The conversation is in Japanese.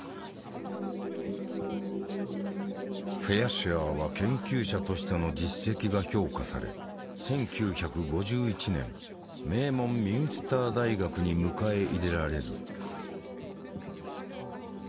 シュアーは研究者としての実績が評価され１９５１年名門ミュンスター大学に迎え入れられる。